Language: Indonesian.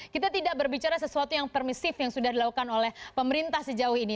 kita tidak berbicara sesuatu yang permisif yang sudah dilakukan oleh pemerintah sejauh ini